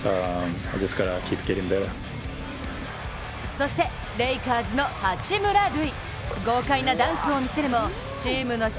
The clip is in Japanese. そしてレイカーズの八村塁。